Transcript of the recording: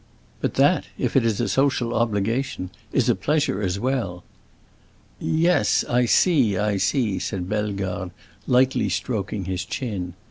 But that, if it is a social obligation, is a pleasure as well." "Yes, I see—I see," said Bellegarde, lightly stroking his chin.